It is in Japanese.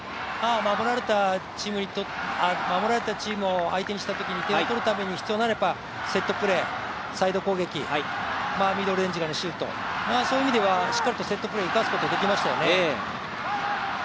守られたチームを相手にしたときに、点を取るために必要になればセットプレーサイドプレー、ミドルレンジからのシュート、そういう意味ではしっかりとセットプレー生かすことができましたよね。